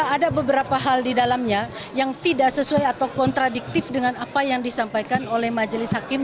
ada beberapa hal di dalamnya yang tidak sesuai atau kontradiktif dengan apa yang disampaikan oleh majelis hakim